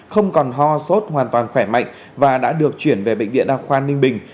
không còn ho sốt hoàn toàn khỏe mạnh và đã được chuyển về bệnh viện đa khoa ninh bình